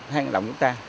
hang đảo chúng ta